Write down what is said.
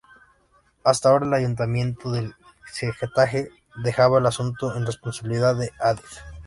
Hasta ahora, el ayuntamiento de Getafe dejaba el asunto en responsabilidad de Adif.